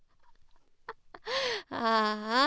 ああ。